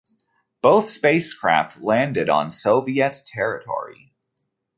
Both spacecraft landed on Soviet territory.